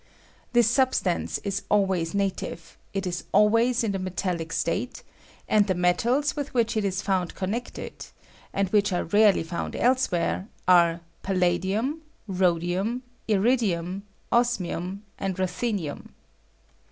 This substance is always native, it is always in the metaUic state, and the metals with which it is found connected, and which are rarely found else where, are palladium, rhodium, iridium, osmi um, and ruthenium.